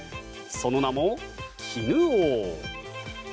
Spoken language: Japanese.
その名も絹王。